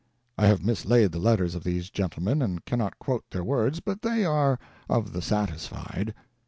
I have mislaid the letters of these gentlemen and cannot quote their words, but they are of the satisfied.